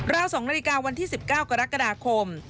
ราวสองนาฬิกาวันที่๑๙กรกฎาคม